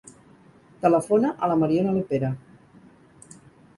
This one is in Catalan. Telefona a la Mariona Lopera.